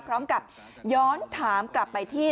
พร้อมกับย้อนถามกลับไปที่